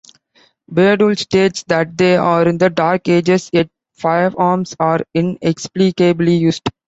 Baydool states that they are in the Dark Ages, yet firearms are inexplicably used.